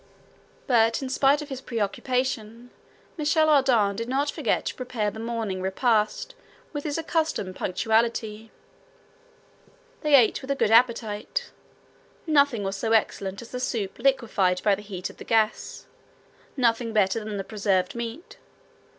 But in spite of his preoccupation, Michel Ardan did not forget to prepare the morning repast with his accustomed punctuality. They ate with a good appetite. Nothing was so excellent as the soup liquefied by the heat of the gas; nothing better than the preserved meat.